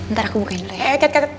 ntar aku bukain dulu ya